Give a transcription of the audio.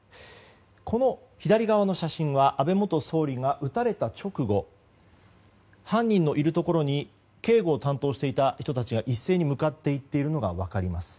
この左側の写真は安倍元総理が撃たれた直後犯人のいるところに警護を担当していた人たちが一斉に向かっていっているのが分かります。